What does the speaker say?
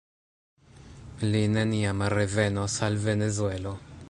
Li neniam revenos al Venezuelo.